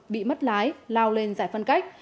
bị mất lái lao lên giải phân cách